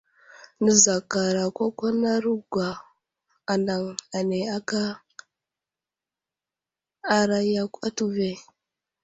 Nəzakarakwakwanarogwa anaŋ ane anay aka aray yakw atu ve.